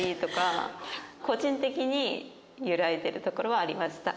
個人的に揺らいでるところはありました。